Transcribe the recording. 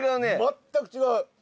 全く違う！